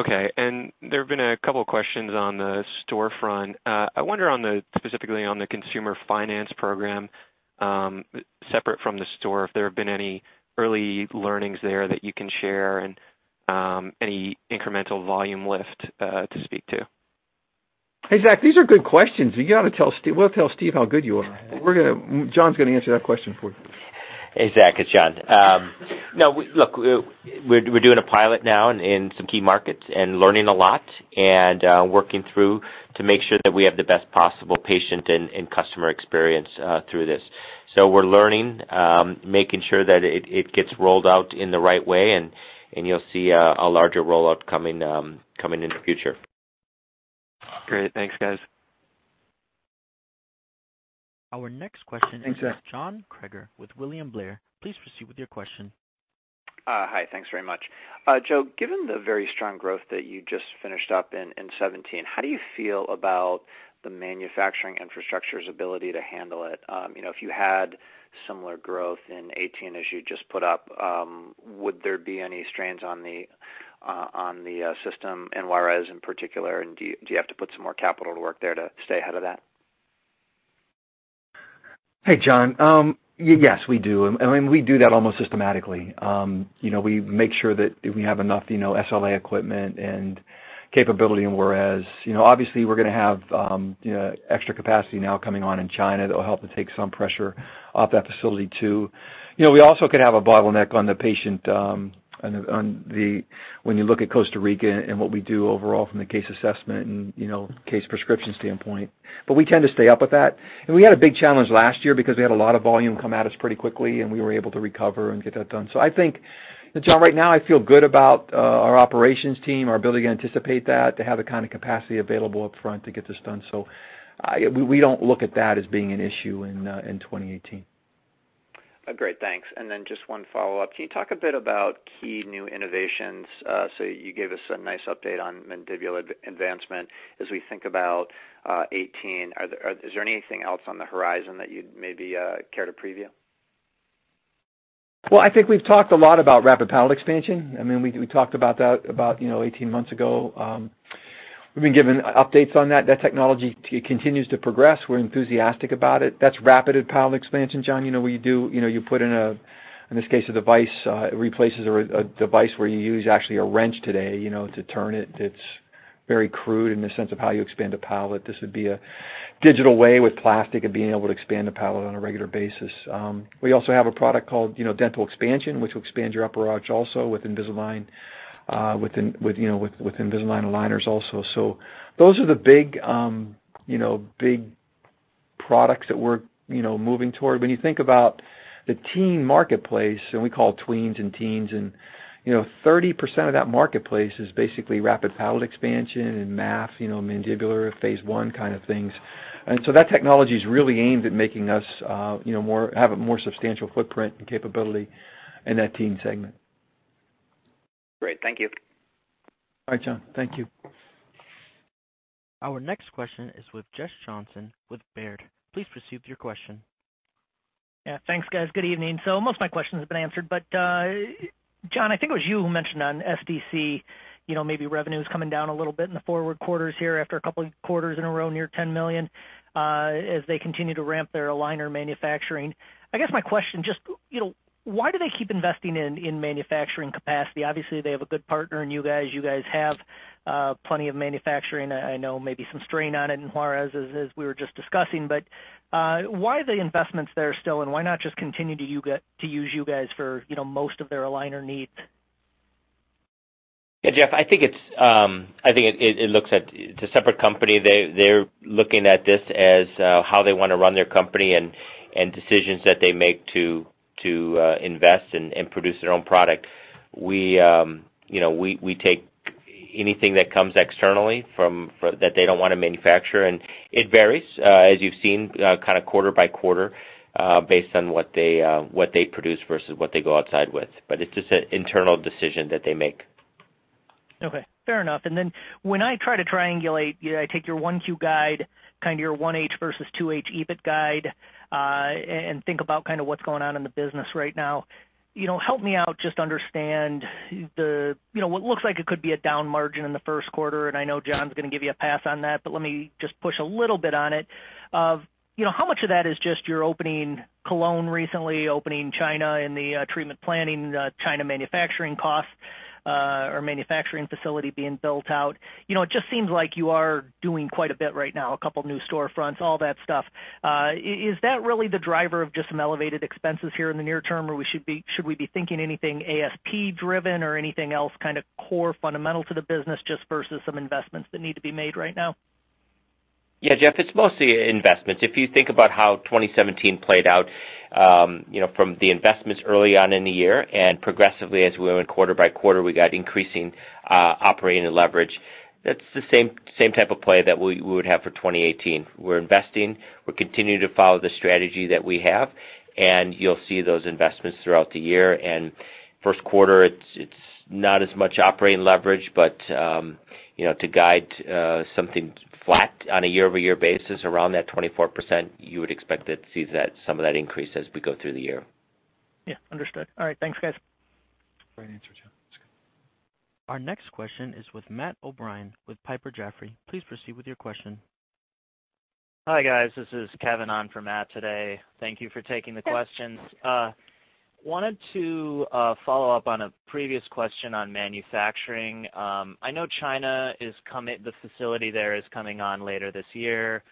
There have been a couple questions on the storefront. I wonder specifically on the consumer finance program, separate from the store, if there have been any early learnings there that you can share and any incremental volume lift to speak to. Hey, Zach, these are good questions. You got to tell Steve. We'll tell Steve how good you are. John's going to answer that question for you. Hey, Zach, it's John. We're doing a pilot now in some key markets and learning a lot and working through to make sure that we have the best possible patient and customer experience through this. We're learning, making sure that it gets rolled out in the right way, and you'll see a larger rollout coming in the future. Great. Thanks, guys. Our next question- Thanks, Zach. is John Kreger with William Blair. Please proceed with your question. Hi, thanks very much. Joe, given the very strong growth that you just finished up in 2017, how do you feel about the manufacturing infrastructure's ability to handle it? If you had similar growth in 2018 as you just put up, would there be any strains on the system in Juarez in particular? Do you have to put some more capital to work there to stay ahead of that? Hey, John. Yes, we do. We do that almost systematically. We make sure that we have enough SLA equipment and capability in Juarez. Obviously, we're going to have extra capacity now coming on in China that will help to take some pressure off that facility, too. We also could have a bottleneck on the patient, when you look at Costa Rica and what we do overall from the case assessment and case prescription standpoint. We tend to stay up with that. We had a big challenge last year because we had a lot of volume come at us pretty quickly, and we were able to recover and get that done. I think, John, right now, I feel good about our operations team, our ability to anticipate that, to have the kind of capacity available upfront to get this done. We don't look at that as being an issue in 2018. Great. Thanks. Just one follow-up. Can you talk a bit about key new innovations? You gave us a nice update on mandibular advancement. As we think about 2018, is there anything else on the horizon that you'd maybe care to preview? Well, I think we've talked a lot about rapid palate expansion. We talked about that about 18 months ago. We've been given updates on that. That technology continues to progress. We're enthusiastic about it. That's rapid palate expansion, John, where you put in this case, a device. It replaces a device where you use actually a wrench today to turn it. It's very crude in the sense of how you expand a palate. This would be a digital way with plastic of being able to expand a palate on a regular basis. We also have a product called dental expansion, which will expand your upper arch also with Invisalign aligners also. Those are the big products that we're moving toward. When you think about the teen marketplace, we call tweens and teens, 30% of that marketplace is basically rapid palate expansion and MA, mandibular phase one kind of things. That technology's really aimed at making us have a more substantial footprint and capability in that teen segment. Great. Thank you. All right, John. Thank you. Our next question is with Jeff Johnson with Baird. Please proceed with your question. Thanks, guys. Good evening. Most of my questions have been answered, but John, I think it was you who mentioned on SDC, maybe revenue's coming down a little bit in the forward quarters here after a couple of quarters in a row, near $10 million, as they continue to ramp their aligner manufacturing. I guess my question, just why do they keep investing in manufacturing capacity? Obviously, they have a good partner in you guys. You guys have plenty of manufacturing. I know maybe some strain on it in Juarez, as we were just discussing. Why the investments there still, and why not just continue to use you guys for most of their aligner needs? Yeah, Jeff, I think it's a separate company. They're looking at this as how they want to run their company and decisions that they make to invest and produce their own product. We take anything that comes externally that they don't want to manufacture, and it varies, as you've seen, kind of quarter by quarter, based on what they produce versus what they go outside with. It's just an internal decision that they make. Okay. Fair enough. When I try to triangulate, I take your 1Q guide, kind of your 1H versus 2H EBIT guide, and think about what's going on in the business right now. Help me out, just understand what looks like it could be a down margin in the first quarter, and I know John's going to give you a pass on that, but let me just push a little bit on it. How much of that is just your opening Cologne recently, opening China and the treatment planning China manufacturing cost, or manufacturing facility being built out? It just seems like you are doing quite a bit right now, a couple new storefronts, all that stuff. Is that really the driver of just some elevated expenses here in the near term, or should we be thinking anything ASP driven or anything else kind of core fundamental to the business, just versus some investments that need to be made right now? Yeah, Jeff, it's mostly investments. If you think about how 2017 played out, from the investments early on in the year and progressively as we went quarter by quarter, we got increasing operating leverage. That's the same type of play that we would have for 2018. We're investing. We're continuing to follow the strategy that we have, and you'll see those investments throughout the year. First quarter, it's not as much operating leverage, but to guide something flat on a year-over-year basis around that 24%, you would expect to see some of that increase as we go through the year. Yeah. Understood. All right. Thanks, guys. Great answer, John. That's good. Our next question is with Matt O'Brien with Piper Jaffray. Please proceed with your question. Hi, guys. This is Kevin on for Matt today. Thank you for taking the questions. Wanted to follow up on a previous question on manufacturing. I know China, the facility there is coming on later this year.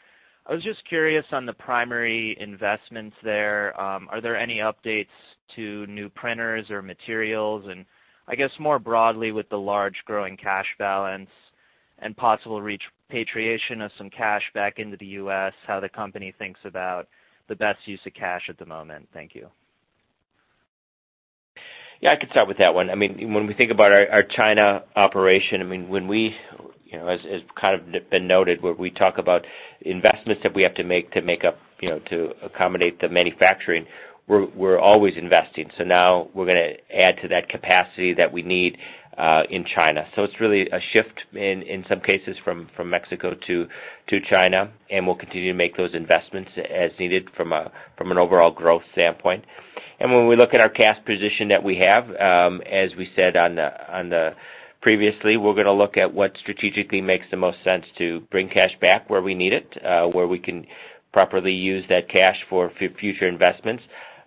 I was just curious on the primary investments there. Are there any updates to new printers or materials? I guess more broadly, with the large growing cash balance and possible repatriation of some cash back into the U.S., how the company thinks about the best use of cash at the moment. Thank you. Yeah, I can start with that one. When we think about our China operation, as kind of been noted, where we talk about investments that we have to make to accommodate the manufacturing, we're always investing. Now we're going to add to that capacity that we need in China. It's really a shift, in some cases, from Mexico to China, we'll continue to make those investments as needed from an overall growth standpoint. When we look at our cash position that we have, as we said previously, we're going to look at what strategically makes the most sense to bring cash back where we need it, where we can properly use that cash for future investments.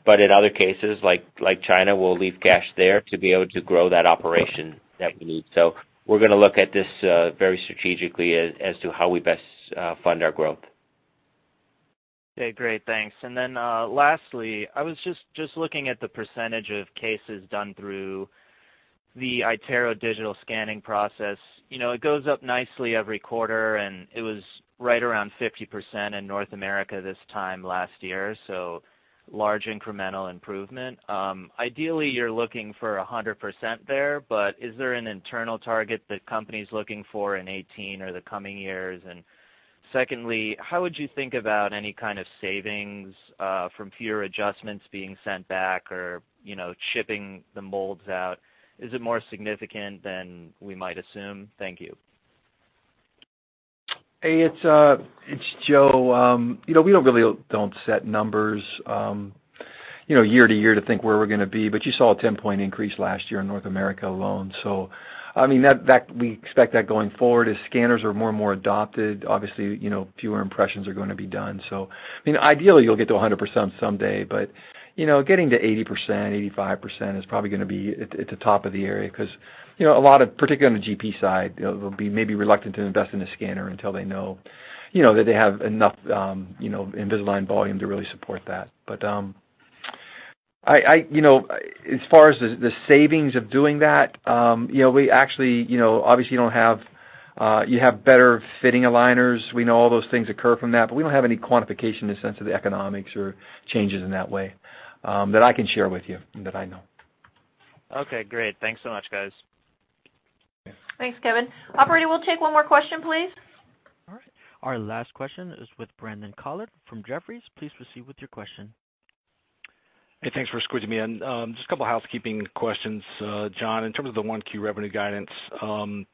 In other cases, like China, we'll leave cash there to be able to grow that operation that we need. We're going to look at this very strategically as to how we best fund our growth. Okay, great. Thanks. Lastly, I was just looking at the percentage of cases done through the iTero digital scanning process. It goes up nicely every quarter, it was right around 50% in North America this time last year, large incremental improvement. Ideally, you're looking for 100% there, is there an internal target the company's looking for in 2018 or the coming years? Secondly, how would you think about any kind of savings from fewer adjustments being sent back or shipping the molds out? Is it more significant than we might assume? Thank you. Hey, it's Joe. We really don't set numbers year to year to think where we're going to be. You saw a 10-point increase last year in North America alone. We expect that going forward. As scanners are more and more adopted, obviously, fewer impressions are going to be done. Ideally, you'll get to 100% someday, getting to 80%, 85% is probably going to be at the top of the area, because a lot of, particularly on the GP side, they'll be maybe reluctant to invest in a scanner until they know that they have enough Invisalign volume to really support that. As far as the savings of doing that, obviously you have better-fitting aligners. We know all those things occur from that, we don't have any quantification in the sense of the economics or changes in that way that I can share with you, that I know. Okay, great. Thanks so much, guys. Thanks, Kevin. Operator, we'll take one more question, please. All right. Our last question is with Brandon Couillard from Jefferies. Please proceed with your question. Hey, thanks for squeezing me in. Just a couple housekeeping questions. John, in terms of the 1Q revenue guidance, $400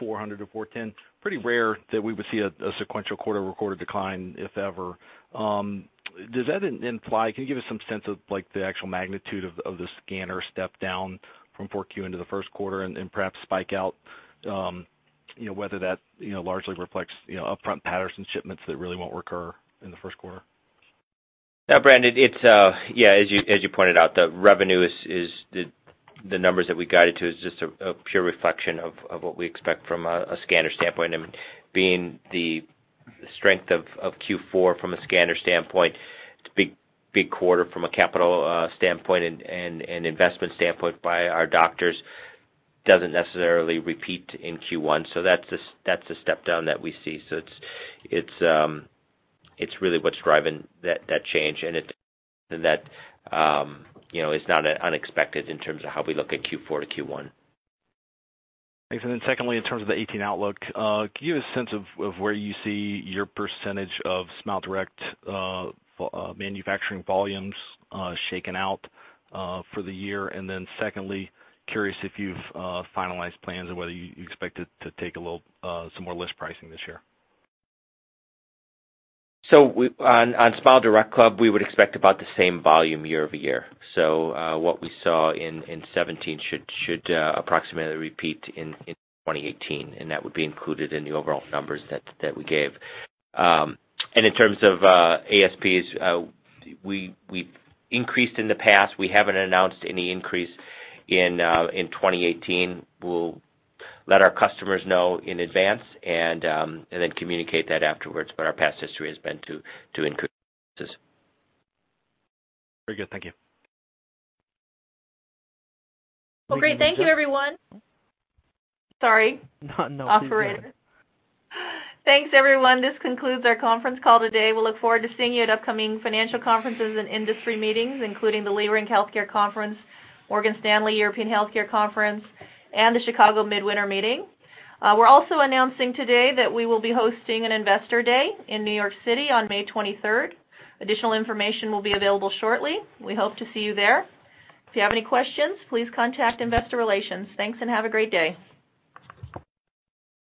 million-$410 million. Pretty rare that we would see a sequential quarter-over-quarter decline, if ever. Does that imply, can you give us some sense of the actual magnitude of the scanner step down from 4Q into the first quarter and perhaps spike out, whether that largely reflects upfront Patterson shipments that really won't recur in the first quarter? Yeah, Brandon, as you pointed out, the revenue, the numbers that we guided to is just a pure reflection of what we expect from a scanner standpoint. Being the strength of Q4 from a scanner standpoint, it's a big quarter from a capital standpoint and investment standpoint by our doctors. Doesn't necessarily repeat in Q1. That's the step down that we see. It's really what's driving that change, and that is not unexpected in terms of how we look at Q4 to Q1. Thanks. Secondly, in terms of the 2018 outlook, can you give a sense of where you see your percentage of SmileDirectClub manufacturing volumes shaken out for the year? Secondly, curious if you've finalized plans or whether you expect it to take some more list pricing this year. On SmileDirectClub, we would expect about the same volume year-over-year. What we saw in 2017 should approximately repeat in 2018, and that would be included in the overall numbers that we gave. In terms of ASPs, we increased in the past. We haven't announced any increase in 2018. We'll let our customers know in advance and then communicate that afterwards. Our past history has been to increase this. Very good. Thank you. Great. Thank you, everyone. Sorry. No, please go ahead. Thanks, everyone. This concludes our conference call today. We look forward to seeing you at upcoming financial conferences and industry meetings, including the Leerink Healthcare Conference, Morgan Stanley European Healthcare Conference, and the Chicago Midwinter Meeting. We're also announcing today that we will be hosting an investor day in New York City on May 23rd. Additional information will be available shortly. We hope to see you there. If you have any questions, please contact investor relations. Thanks, and have a great day.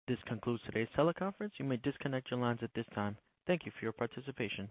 This concludes today's teleconference. You may disconnect your lines at this time. Thank you for your participation.